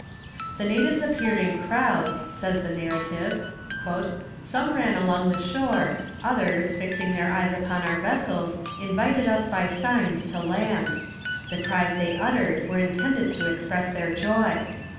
"The natives appeared in crowds," says the narrative. "Some ran along the shore, others, fixing their eyes upon our vessels, invited us by signs to land. The cries they uttered were intended to express their joy.